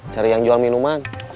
cari yang jual minuman